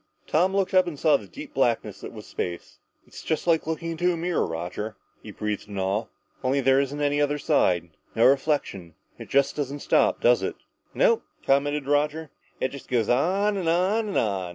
Tom looked up and saw the deep blackness that was space. "It's like looking into a mirror, Roger," he breathed in awe. "Only there isn't any other side no reflection. It just doesn't stop, does it?" "Nope," commented Roger, "it just goes on and on and on.